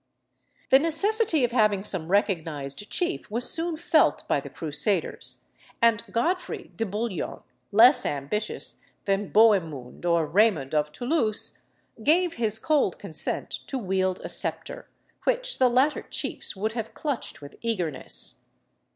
] The necessity of having some recognised chief was soon felt by the Crusaders, and Godfrey de Bouillon, less ambitious than Bohemund or Raymond of Toulouse, gave his cold consent to wield a sceptre which the latter chiefs would have clutched with eagerness.